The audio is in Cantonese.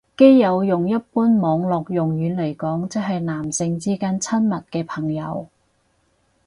基友用一般網絡用語嚟講即係男性之間親密嘅朋友